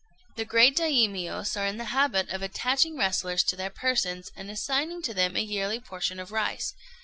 ] The great Daimios are in the habit of attaching wrestlers to their persons, and assigning to them a yearly portion of rice.